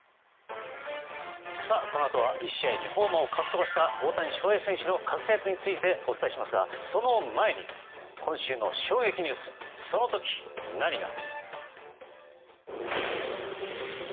このあとは１試合２ホーマーをかっ飛ばした大谷翔平選手の活躍についてお伝えしますがその前に、今週の衝撃ニュースその時、何が。